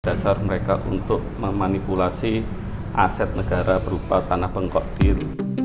dasar mereka untuk memanipulasi aset negara berupa tanah bengkok diri